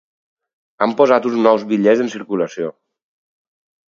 Han posat uns nous bitllets en circulació.